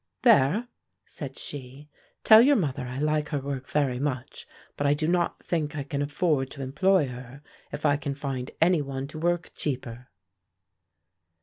"There," said she; "tell your mother I like her work very much, but I do not think I can afford to employ her, if I can find any one to work cheaper."